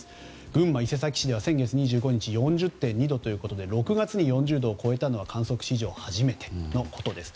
群馬・伊勢崎市では、先月２５日４０．２度ということで６月に４０度を超えたのは観測史上初めてのことです。